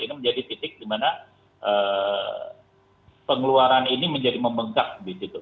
ini menjadi titik di mana pengeluaran ini menjadi membengkak di situ